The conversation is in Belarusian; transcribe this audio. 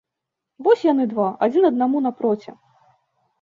Вось яны два, адзін аднаму напроці.